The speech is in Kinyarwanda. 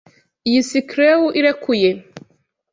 Iyi screw irekuye.